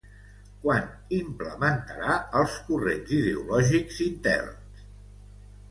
Quan implementarà els corrents ideològics interns?